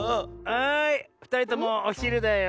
はいふたりともおひるだよ。